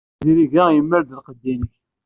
Izirig-a yemmal-d lqedd-nnek.